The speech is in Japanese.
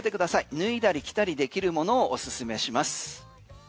脱いだり着たりできるものをおすすめします。